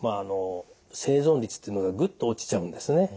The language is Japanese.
生存率っていうのがグッと落ちちゃうんですね。